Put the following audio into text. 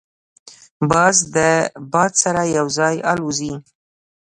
باز د باد سره یو ځای الوزي